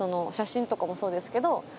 写真とかもそうですけど。